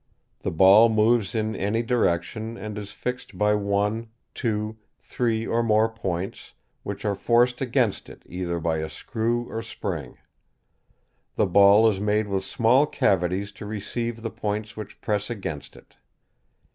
The ball moves in any direction, and is fixed by one, two, three, or more points, which are forced against it either by a screw or spring, The ball is made with small cavities to receive the points which press against it.